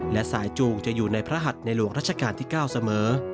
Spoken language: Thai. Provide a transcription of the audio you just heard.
และสายจูงจะอยู่ในพระหัดในหลวงรัชกาลที่๙เสมอ